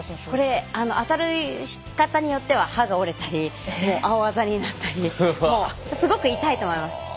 これ、当たり方によっては歯が折れたり青あざになったりすごく痛いと思います。